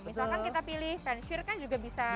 misalkan kita pilih pan sheer kan juga bisa